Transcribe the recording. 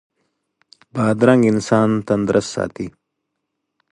بادرنګ انسان تندرست ساتي.